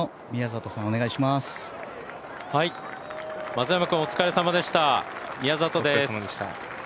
松山君、お疲れさまでした。